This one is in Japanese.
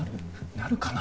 なるかな？